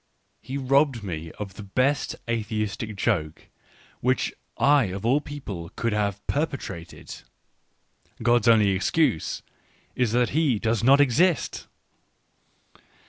He robbed me of the best atheistic joke, which I of all people could have perpetrated :" God's only excuse is that He does not exist"